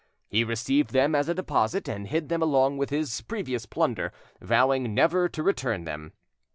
He received them as a deposit, and hid them along with his previous plunder, vowing never to return them.